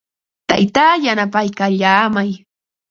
Taytaa yanapaykallaamay.